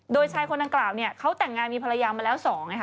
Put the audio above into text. โดยชายคนนั้นกล่าวเนี่ยเขาแป่งงานมีภรรยามาแล้ว๒